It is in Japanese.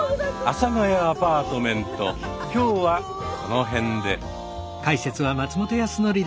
「阿佐ヶ谷アパートメント」今日はこの辺で。